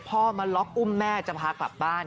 พ่อมาล็อกอุ้มแม่จะพากลับบ้าน